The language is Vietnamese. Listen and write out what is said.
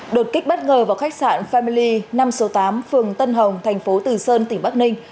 đột kích bất ngờ vào khách sạn family năm số tám phường tân hồng thành phố từ sơn tỉnh bắc ninh